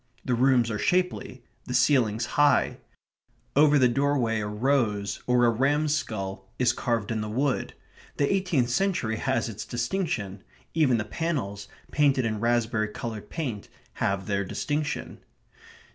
The rooms are shapely, the ceilings high; over the doorway a rose, or a ram's skull, is carved in the wood. The eighteenth century has its distinction. Even the panels, painted in raspberry coloured paint, have their distinction....